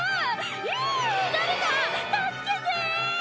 「ひぃ誰か助けて！」